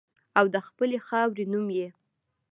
او د خپلې خاورې نوم یې